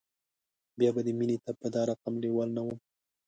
بیا به دې مینې ته په دا رقم لیوال نه وم